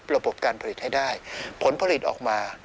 ระบบการผลิตให้ได้ผลผลิตออกมา